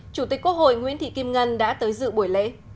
chủ tịch quốc hội nguyễn thị kim ngân đã tới dự buổi lễ